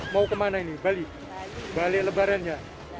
mau kemana ini bali bali lebaran ya